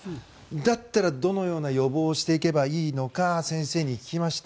だったらどのような予防をしていけばいいのか先生に聞きました。